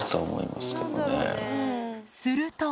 すると。